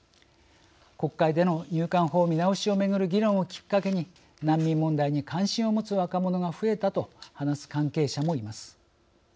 国会での入管法見直しをめぐる議論をきっかけに難民問題に関心を持つ若者が増えたと話す関係者もいます。